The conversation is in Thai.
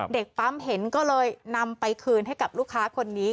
เด็กปั๊มเห็นก็เลยนำไปคืนให้กับลูกค้าคนนี้